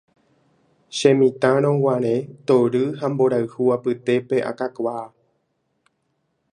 Chemitãrõguare tory ha mborayhu apytépe akakuaa.